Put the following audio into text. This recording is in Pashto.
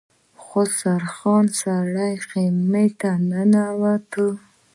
خسرو خان سرې خيمې ته ننوت.